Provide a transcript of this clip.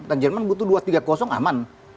dan jerman butuh dua tiga aman